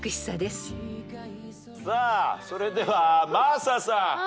さあそれでは真麻さん。